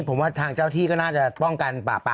ผมว่าทางเจ้าที่ก็น่าจะป้องกันป่าปลา